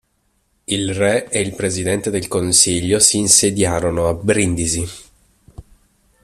Il Re e il Presidente del Consiglio si insediarono a Brindisi.